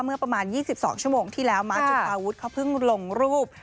เมื่อประมาณ๒๒ชั่วโมงที่แล้วมาร์จุธาวุฒิเขาเพิ่งลงรูป